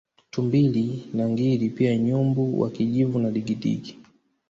Tumbili na ngiri pia nyumbu wa kijivu na Digidigi